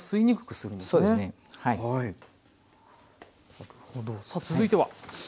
なるほどさあ続いては。